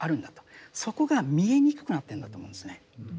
そこが見えにくくなってるんだと思うんですね。